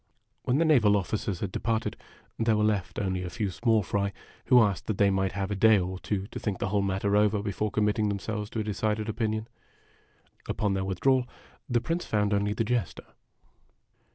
When the naval officers had departed, there were, left only a few small fry who asked that they might have a day or two to think the whole matter over before committing themselves to a decided opinion. Upon their withdrawal, the Prince found only the Jester.